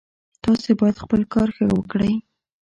تاسو باید خپل کار ښه وکړئ